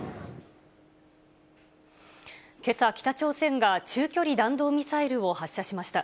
けさ、北朝鮮が中距離弾道ミサイルを発射しました。